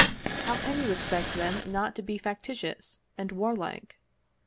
How can you expect them not to be factious and warlike?